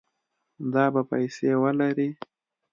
دا به پیسې ولري